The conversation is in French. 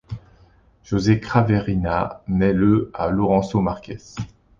José Craveirinha naît le à Lourenço Marques.